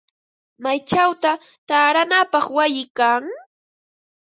¿Maychawta taaranapaq wayi kan?